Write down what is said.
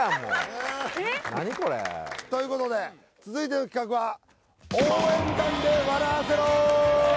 何これということで続いての企画は応援団？